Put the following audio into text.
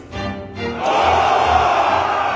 お！